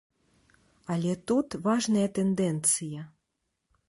Але тут важная тэндэнцыя.